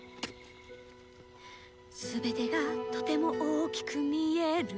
「すべてがとても大きく見えるの」